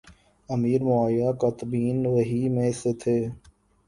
امیر Muawiya کاتبین وحی میں سے تھے